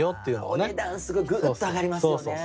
お値段すごいぐーっと上がりますよね。